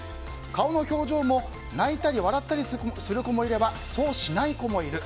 顔の表情も泣いたり笑ったりする子もいればそうしない子もいる。